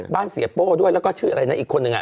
เสียโป้ด้วยแล้วก็ชื่ออะไรนะอีกคนนึงอ่ะ